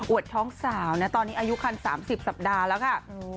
วดท้องสาวนะตอนนี้อายุคัน๓๐สัปดาห์แล้วค่ะ